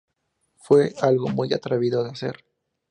Fue algo muy atrevido de hacer.